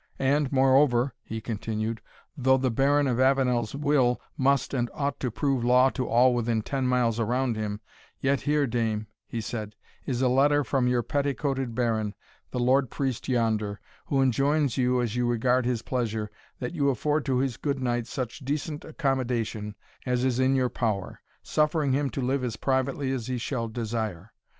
And, moreover," he continued, "though the Baron of Avenel's will must, and ought to prove law to all within ten miles around him, yet here, dame," he said, "is a letter from your petticoated baron, the lord priest yonder, who enjoins you, as you regard his pleasure, that you afford to this good knight such decent accommodation as is in your power, suffering him to live as privately as he shall desire.